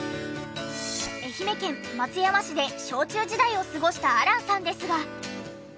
愛媛県松山市で小中時代を過ごした亜嵐さんですが。